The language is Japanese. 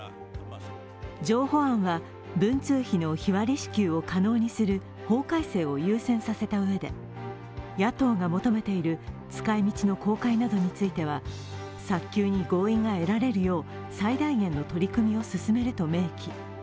譲歩案は、文通費の日割り支給を可能にする法改正を優先させたうえで、野党が求めている使い道の公開などについては早急に合意が得られるよう最大限の取り組みを進めると明記。